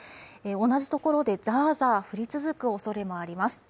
同じところでザーザー降り続くおそれもあります。